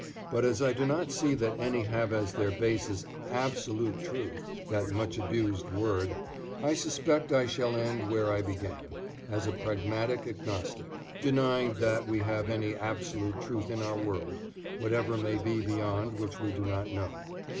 but as I do not see that any have as their basis Absolute Truth (that much abused word) I suspect I shall end where I began, as a Pragmatic Agnostic, denying that we have any Absolute Truth in our world, whatever may be beyond which we do not know.